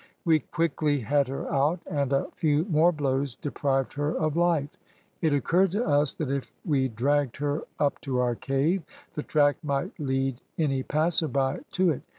We quickly had her out, and a few more blows deprived her of life. It occurred to us that if we dragged her up to our cave, the track might lead any passer by to it.